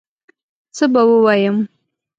څه به ووایم